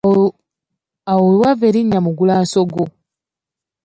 Awo we wava erinnya Mugulansogo.